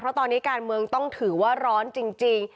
เพราะตอนนี้การเมืองต้องถือว่าร้อนจริง